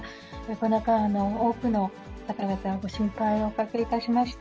この間、多くの方々にご心配をおかけいたしました。